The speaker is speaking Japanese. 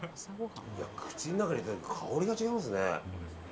口の中に入れると香りが違いますね。